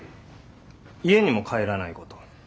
家にも帰らないこと。